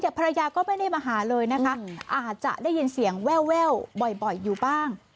ภรรยาก็ไม่ได้มาหาเลยนะคะอาจจะได้ยินเสียงแววบ่อยอยู่บ้าง